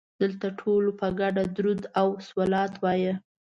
دلته ټولو په ګډه درود او صلوات وایه.